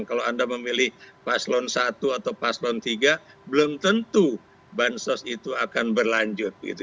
kalau anda memilih paslon satu atau paslon tiga belum tentu bansos itu akan berlanjut